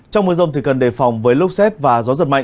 trong mưa rông thì cần đề phòng với lốc xét và gió giật mạnh